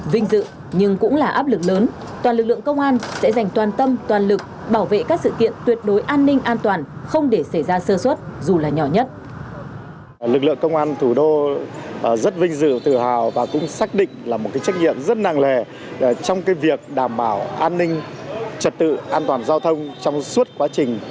vinh dự nhưng cũng là áp lực lớn toàn lực lượng công an sẽ dành toàn tâm toàn lực bảo vệ các sự kiện tuyệt đối an ninh an toàn